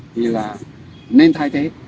thì là nên thay thế